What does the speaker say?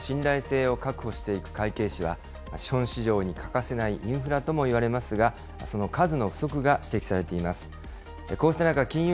監査を通じて財務関係の書類の信頼性を確保していく会計士は、資本市場に欠かせないインフラともいわれますが、その数の不足が指摘されています。